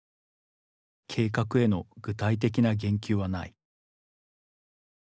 計画への具体的な言及はない